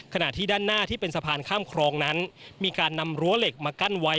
ขณะที่ด้านหน้าที่เป็นสะพานข้ามครองนั้นมีการนำรั้วเหล็กมากั้นไว้